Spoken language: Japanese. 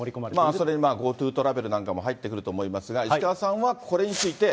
それにＧｏＴｏトラベルなんかも入ってくると思いますが、石川さんはこれについて。